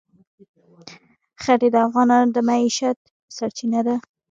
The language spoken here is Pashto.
ښتې د افغانانو د معیشت سرچینه ده.